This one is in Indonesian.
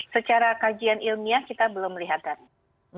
secara kajian ilmiah kita belum melihatnya